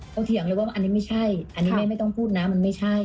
เถียงเลยว่าอันนี้ไม่ใช่อันนี้แม่ไม่ต้องพูดนะมันไม่ใช่